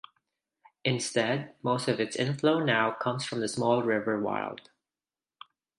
Instead, most of its inflow now comes from the small river Wild.